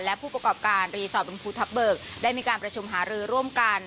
และผู้ประกอบการรีสอร์ทบุญภูทับเบิกได้มีการประชุมหารือร่วมกัน